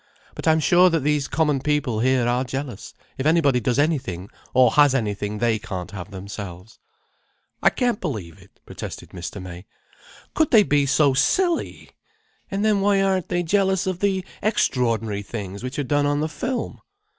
But I'm sure that these common people here are jealous if anybody does anything or has anything they can't have themselves." "I can't believe it," protested Mr. May. "Could they be so silly! And then why aren't they jealous of the extraordinary things which are done on the film?"